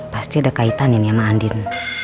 pasti ada kaitan ini sama andin